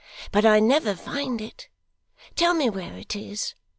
But I never find it. Tell me where it is.